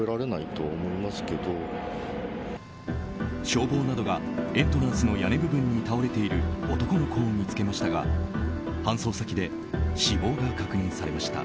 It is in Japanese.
消防などがエントランスの屋根部分に倒れている男の子を見つけましたが搬送先で死亡が確認されました。